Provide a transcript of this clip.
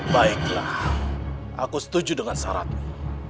baiklah aku setuju dengan syaratnya